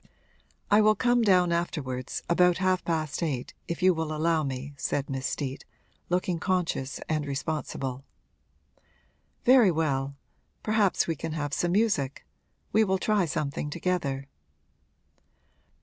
'I will come down afterwards, about half past eight, if you will allow me,' said Miss Steet, looking conscious and responsible. 'Very well perhaps we can have some music; we will try something together.'